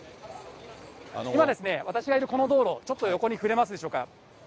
今、私がいるこの道路、ちょっと横に振れますでしょうか。